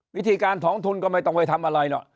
วิธีการถอนทุนก็ไม่ต้องไปทำอะไรหรอก